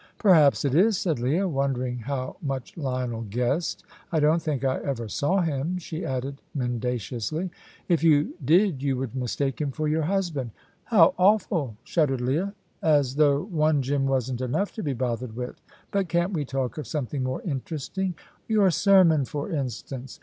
"Perhaps it is," said Leah, wondering how much Lionel guessed. "I don't think I ever saw him," she added, mendaciously. "If you did you would mistake him for your husband." "How awful!" shuddered Leah. "As though one Jim wasn't enough to be bothered with. But can't we talk of something more interesting your sermon, for instance?"